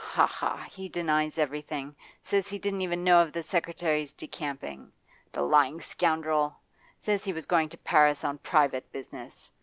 Ha, ha! He denies everything says he didn't even know of the secretary's decamping. The lying scoundrel! Says he was going to Paris on private business.